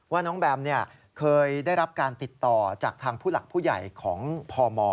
ว่าน้องแบมเคยได้รับการติดต่อจากทางผู้หลักผู้ใหญ่ของพม